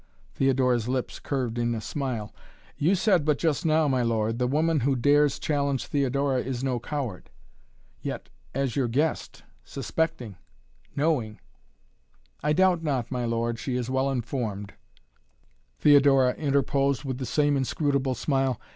Theodora's lips curved in a smile. "You said but just now, my lord, the woman who dares challenge Theodora is no coward " "Yet as your guest suspecting knowing " "I doubt not, my lord, she is well informed," Theodora interposed with the same inscrutable smile.